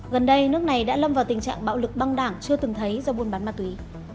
gần đây nước này đã lâm vào tình trạng bạo lực băng đảng chưa từng thấy do buôn bán ma túy